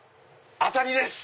当たりです！